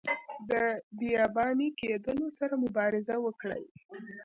د بیاباني کیدلو سره مبارزه وکړي.